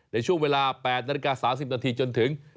ในช่วงเวลา๘นาฬิกา๓๐นาทีจนถึง